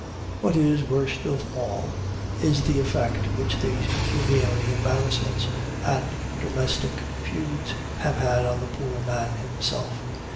What is worst of all, is the effect which these pecuniary embarrassments and domestic feuds have had on the poor man himself.